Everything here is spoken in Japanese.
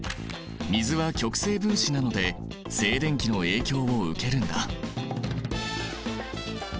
水は極性分子なので静電気の影響を受けるんだ。